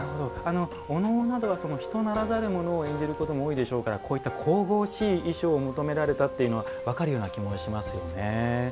お能などは人ならざるものを演じることも多いでしょうから神々しい衣装を求められたというのは分かる気もしますよね。